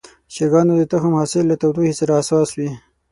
د چرګانو د تخم حاصل له تودوخې سره حساس وي.